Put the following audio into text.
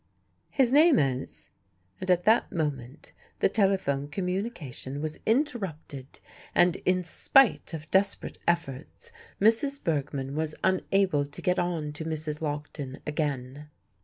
"His name is " and at that moment the telephone communication was interrupted, and in spite of desperate efforts Mrs. Bergmann was unable to get on to Mrs. Lockton again.